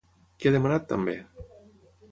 Què ha demanat també?